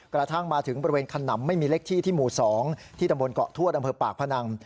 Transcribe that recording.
กระทั่งมาถึงบริเวณขนำไม่มีเลขที่ที่หมู่๒ที่ตำบลเกาะทวดอำเภอปากพนัง